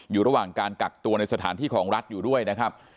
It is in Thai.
อยู่ระหว่างการกักตัวในสถานที่ของรัฐอยู่ด้วยนะครับ